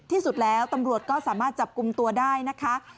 ที่สุดแล้วตำรวจก็สามารถจับกลุ่มตัวได้นะคะ